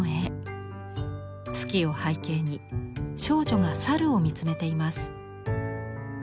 月を背景に少女が猿を見つめています。